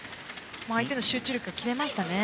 相手の集中力が切れましたね。